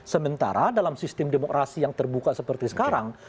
sementara dalam sistem demokrasi yang terbuka seperti sekarang